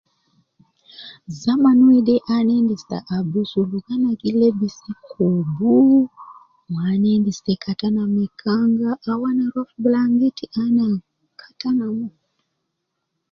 Zaman wede ana endis ta abusu logo ana gi lebis koobu, ana endis ta Kati ana ma kanga au ana ligo brangiti ana Kati ana mo